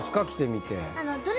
着てみて。